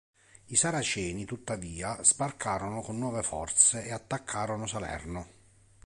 I Saraceni, tuttavia, sbarcarono con nuove forze e attaccarono Salerno.